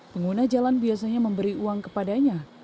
pengguna jalan biasanya memberi uang kepadanya